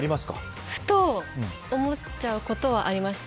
ふと思っちゃうことはあります。